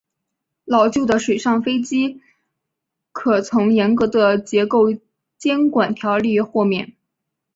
老旧的水上飞机可从严格的结构监管条例豁免。